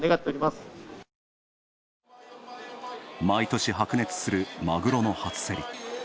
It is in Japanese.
毎年白熱するマグロの初競り。